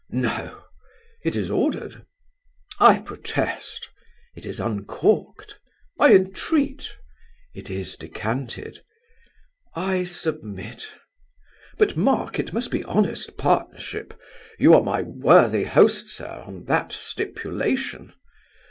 "No!" "It is ordered." "I protest." "It is uncorked." "I entreat." "It is decanted." "I submit. But, mark, it must be honest partnership. You are my worthy host, sir, on that stipulation.